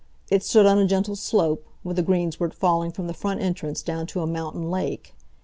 It stood on a gentle slope, with a greensward falling from the front entrance down to a mountain lake.